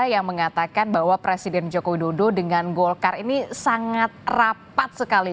yang mengatakan bahwa presiden joko widodo dengan golkar ini sangat rapat sekali